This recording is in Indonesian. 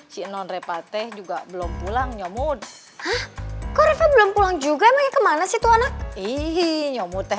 si nondre pate juga belum pulang nyamud belum pulang juga kemana sih